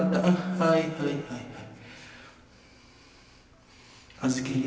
はいはいはいはい。